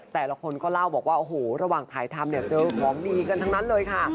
แต่ละคนก็เล่าบอกว่าโอ้โหระหว่างถ่ายทำเนี่ยเจอของดีกันทั้งนั้นเลยค่ะ